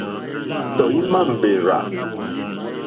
Tɔ̀ímá mbèrzà.